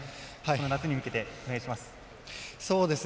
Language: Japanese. この夏に向けてお願いします。